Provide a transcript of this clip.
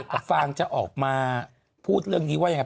แต่ฟางจะออกมาพูดเรื่องนี้ว่ายังไง